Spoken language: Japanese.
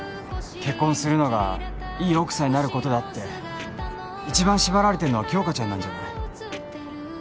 結婚するのがいい奥さんになることだって一番縛られてるのは杏花ちゃんなんじゃない？